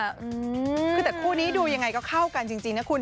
อืมคือแต่คู่นี้ดูยังไงก็เข้ากันจริงนะคุณ